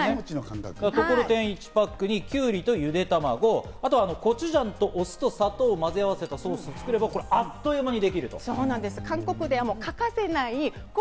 ところてん１パックにきゅうりとゆで卵、あとはコチュジャンとお酢と砂糖を混ぜ合わせたソースを作れば、あっという間にできる。